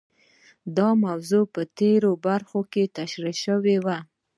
دا موضوع په تېره برخه کې تشرېح شوه.